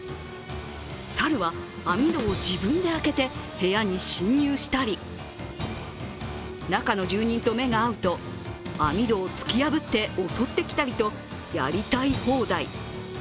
サルは網戸を自分で開けて部屋に侵入したり中の住人と目が合うと網戸を突き破って襲ってきたりと、やりたい放題。